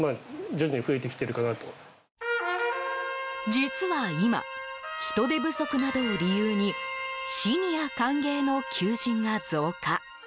実は今、人手不足などを理由にシニア歓迎の求人が増加。